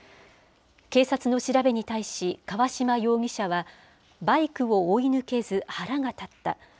警察の調べに対し、川島容疑者は、バイクを追い抜けず、腹が立った。